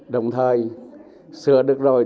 đồng thời sửa được rồi